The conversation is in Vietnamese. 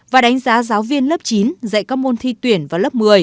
và đánh giá giáo viên lớp chín dạy các môn thi tuyển vào lớp một mươi